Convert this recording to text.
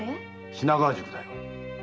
品川宿だよ。